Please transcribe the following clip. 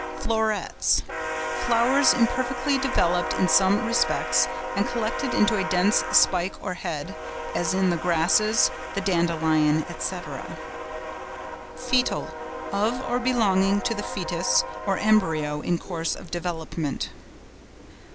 FLORETS.—Flowers imperfectly developed in some respects, and collected into a dense spike or head, as in the Grasses, the Dandelion, &c. FOETAL.—Of or belonging to the foetus, or embryo in course of development.